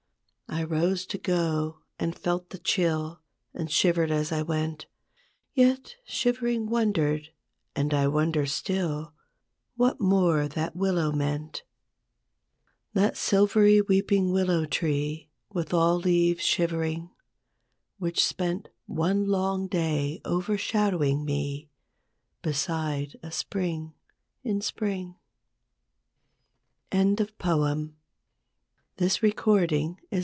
I rose to go, and felt the chill, And shivered as I went; Yet shivering wondered, and I wonder still, What more that willow meant; That silvery weeping willow tree With all leaves shivering, Which spent one long day overshadowing me, Beside a spring in Spring.